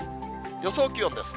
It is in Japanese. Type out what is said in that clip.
予想気温です。